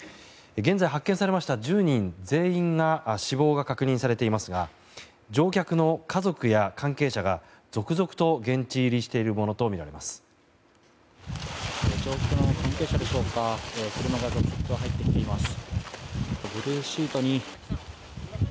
現在、発見されました１０人全員の死亡が確認されていますが乗客の家族や関係者が続々と現地入りしているものとみられます。